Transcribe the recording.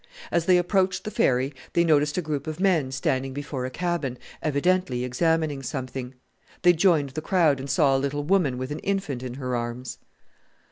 As they approached the ferry they noticed a group of men standing before a cabin, evidently examining something. They joined the crowd and saw a little woman with an infant in her arms.